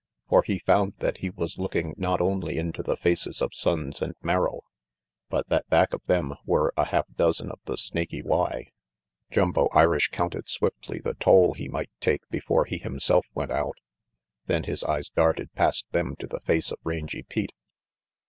For he found that he was looking not only into the faces of Sonnes and Merrill, but that back of them were a half dozen of the Snaky Y. Jumbo Irish counted swiftly the toll he might take before he himself went out; then his eyes darted past them to the face of Rangy Pete.